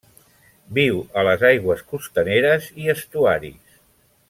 Viu a les aigües costaneres i estuaris.